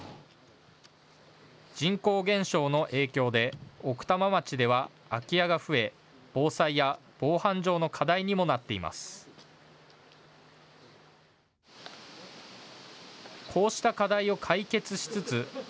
人口減少の影響で奥多摩町では空き家が増え、防災や防犯上の課題にもなっています。